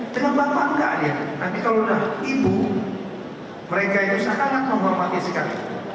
dengan bapak enggak dia tapi kalau dengan ibu mereka itu sangat menghormatkan